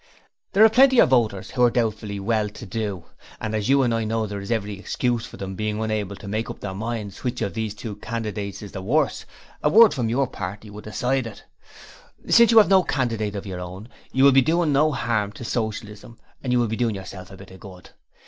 There are plenty of voters who are doubtful what to do; as you and I know there is every excuse for them being unable to make up their minds which of these two candidates is the worse, a word from your party would decide them. Since you have no candidate of your own you will be doing no harm to Socialism and you will be doing yourself a bit of good.